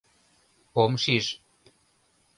Ом шиж...